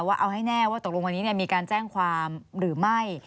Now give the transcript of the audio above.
ว่าเอาให้แน่ว่าตกลงวันนี้มีการแจ้งความหรือไม่